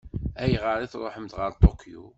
Ayɣer i tṛuḥemt ɣer Tokyo?